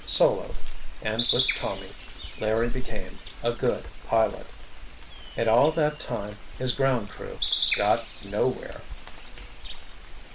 Solo, and with Tommy, Larry became a good pilot. And in all that time, his "ground crew"—got nowhere!